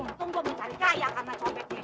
untung gue mau cari kaya karena cobeknya